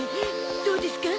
どうですか？